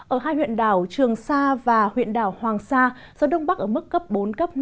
ở hai huyện đảo trường sa và huyện đảo hoàng sa gió đông bắc ở mức cấp bốn cấp năm